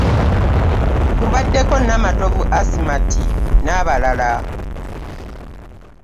Kubaddeko; Namatovu Asimati n'abalala